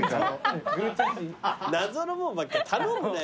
謎のもんばっか頼むなよ